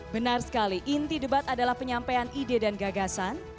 benar sekali inti debat adalah penyampaian ide dan gagasan